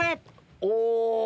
お！